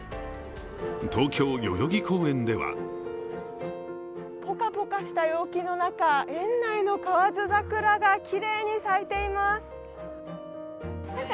東京・代々木公園ではポカポカした陽気の中、園内の河津桜がきれいに咲いています。